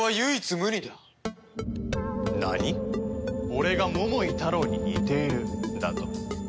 俺が桃井タロウに似ているだと？